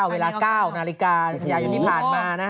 เวลา๙นาฬิกาอยู่ในผ่านมานะฮะ